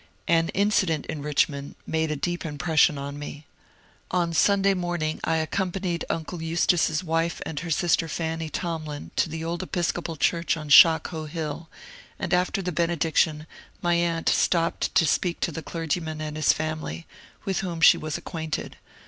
An incident in Richmond made a deep impression on me. On Sunday morning I accompanied uncle Eustace's wife and her sister, Fanny Tomlin, to the old Episcopal church on Shockoe Hill, and after the benediction my aunt stopped to speak to the clergyman and his family, with whom she was acquainted.